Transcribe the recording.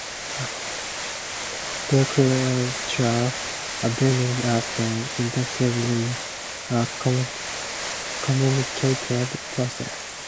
Bicultural dreaming as an intersubjective communicative process.